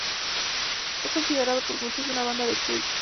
Es considerada por muchos una banda de culto.